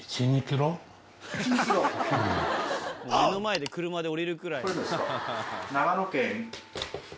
目の前で車で降りるくらいの。